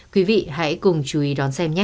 quý vị hãy cùng chú ý đón xem nhé